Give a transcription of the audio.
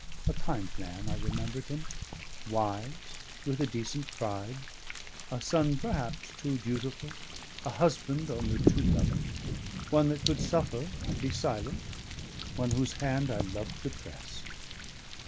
A kind man, I remembered him; wise, with a decent pride, a son perhaps too dutiful, a husband only too loving, one that could suffer and be silent, one whose hand I loved to press.